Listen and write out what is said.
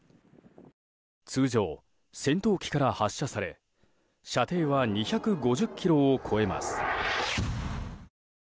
通常、戦闘機から発射され射程は２５０ｋｍを超えます。